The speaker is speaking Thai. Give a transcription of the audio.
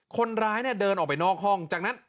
คนร้ายเนี่ยเดินออกไปนอกห้องจากนั้น